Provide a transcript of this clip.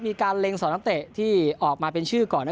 มีการเลงสนทะเตะที่ออกมาเป็นชื่อก่อน